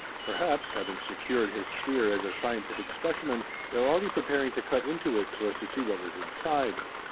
Perhaps, having secured his sphere as a scientific specimen, they were already preparing to cut into it so as to see what was inside.